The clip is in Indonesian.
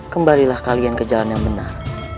kembalilah kalian ke jalan yang benar